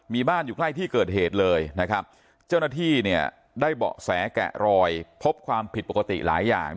มีบ้านอยู่ใกล้ที่เกิดเหตุเลยนะครับเจ้าหน้าที่เนี่ยได้เบาะแสแกะรอยพบความผิดปกติหลายอย่าง